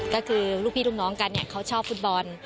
ก็คือลูกพี่ลูกน้องกันเนี่ยเขาชอบฟุตบอล